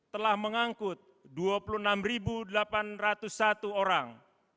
telah mengangkut dua puluh enam delapan ratus satu orang